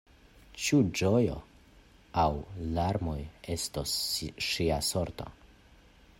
Ĉu ĝojo aŭ larmoj estos ŝia sorto?